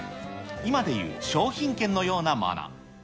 今で言う商品券のようなもの。